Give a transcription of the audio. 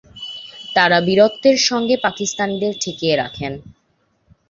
তারা বীরত্বের সঙ্গে পাকিস্তানিদের ঠেকিয়ে রাখেন।